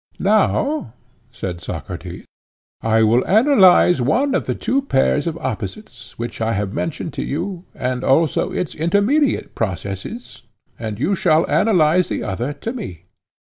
Now, said Socrates, I will analyze one of the two pairs of opposites which I have mentioned to you, and also its intermediate processes, and you shall analyze the other to me.